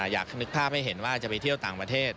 อยากนึกภาพให้เห็นว่าจะไปเที่ยวต่างประเทศ